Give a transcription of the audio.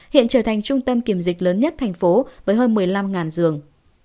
hiện trở thành trung tâm kiểm dịch lớn nhất thành phố với hơn một mươi năm giường